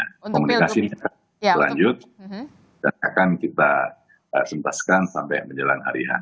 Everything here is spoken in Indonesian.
komunikasi ini akan berlanjut dan akan kita sentaskan sampai menjelang hari ini